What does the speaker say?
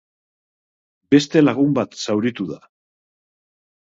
Beste lagun bat zauritu da.